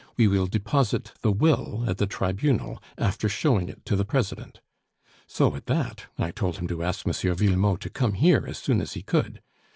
We will deposit the will at the Tribunal, after showing it to the President.' So at that, I told him to ask M. Villemot to come here as soon as he could.